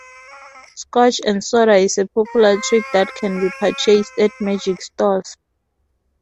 Scotch and Soda is a popular trick that can be purchased at magic stores.